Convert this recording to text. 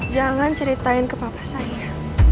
jangan ceritain ke papa saya